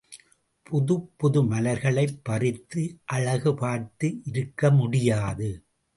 புதுப் புது மலர்களைப் பறித்து அழகு பார்த்து இருக்க முடியாது.